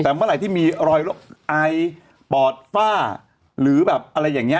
แต่เมื่อไหร่ที่มีรอยไอปอดฝ้าหรือแบบอะไรอย่างนี้